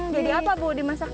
jadi apa bu dimasaknya